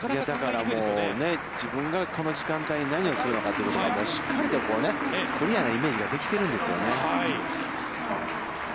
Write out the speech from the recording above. だから自分が、この時間帯に何をするのかということがしっかりとクリアなイメージができているんですよね。